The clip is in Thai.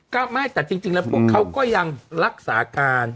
ก็ไม่แต่จริงแล้วพวกเขาก็ยังรักษาการ